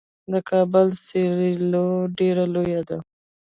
د کابل سیلو ډیره لویه ده.